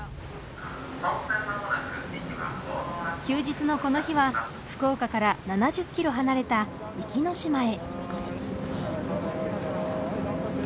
休日のこの日は福岡から７０キロ離れた壱岐島へ。